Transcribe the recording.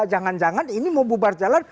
jangan jangan ini mau bubar jalan